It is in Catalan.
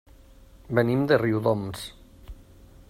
Venim de Riudoms.